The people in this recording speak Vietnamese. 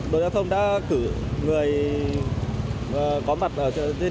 đội giao thông đã cử người có mặt trên